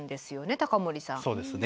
そうですね。